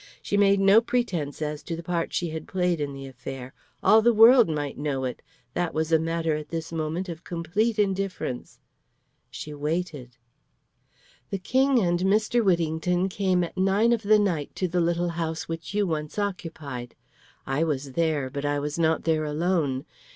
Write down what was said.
She made no pretence as to the part she had played in the affair. All the world might know it. That was a matter at this moment of complete indifference. She waited. "The King and Mr. Whittington came at nine of the night to the little house which you once occupied. I was there, but I was not there alone.